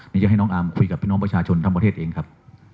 นี่จะให้น้องอาร์มคุยกับพี่น้องประชาชนทั้งประเทศเองครับ